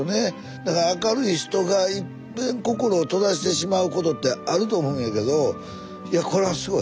だから明るい人がいっぺん心を閉ざしてしまうことってあると思うんやけどいやこれはすごい。